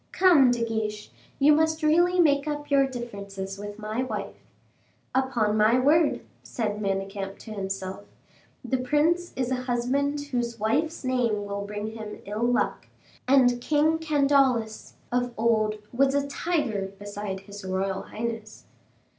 Come, De Guiche, you must really make up your differences with my wife." "Upon my word," said Manicamp to himself, "the prince is a husband whose wife's name will bring him ill luck, and King Candaules, of old, was a tiger beside his royal highness."